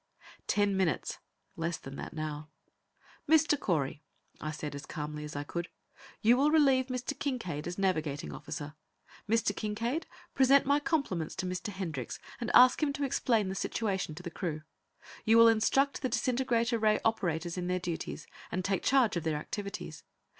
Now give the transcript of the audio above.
Ten minutes.... Less than that, now. "Mr. Correy," I said, as calmly as I could, "you will relieve Mr. Kincaide as navigating officer. Mr. Kincaide, present my compliments to Mr. Hendricks, and ask him to explain the situation to the crew. You will instruct the disintegrator ray operators in their duties, and take charge of their activities.